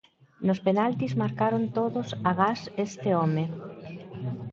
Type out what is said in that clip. Nos penaltis marcaron todos agás este home.